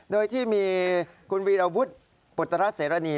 โดยที่มีคุณวีรรวุษปุตตราเสร้าภรรี